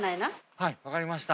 はいわかりました。